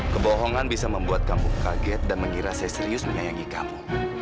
kebohongan bisa membuat kampung kaget dan mengira saya serius menyayangi kamu